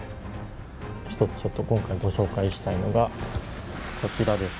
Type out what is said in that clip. １つちょっと今回ご紹介したいのがこちらですね。